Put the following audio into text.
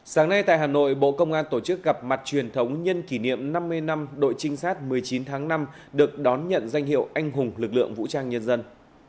sáng nay tại hà nội bộ công an tổ chức gặp mặt truyền thống nhân kỷ niệm năm mươi năm đội trinh sát một mươi chín tháng năm được đón nhận danh hiệu anh hùng lực lượng vũ trang nhân dân